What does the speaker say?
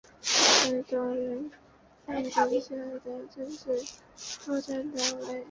为中联办底下的政治作战单位。